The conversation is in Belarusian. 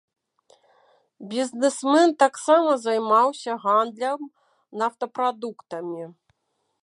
Бізнесмен таксама займаўся гандлем нафтапрадуктамі.